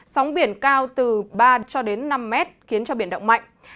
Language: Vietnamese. sóng biển cao từ ba cho đến năm mét khiến cho biển động mạnh